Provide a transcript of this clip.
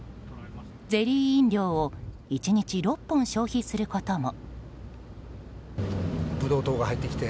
ゼリー飲料を１日６本消費することも。